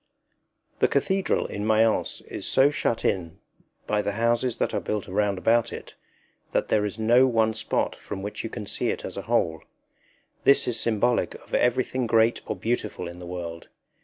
The Cathedral in Mayence is so shut in by the houses that are built round about it, that there is no one spot from which you can see it as a whole. This is symbolic of everything great or beautiful in the world.